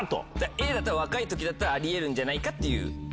Ａだと若い時だったらあり得るんじゃないかっていう。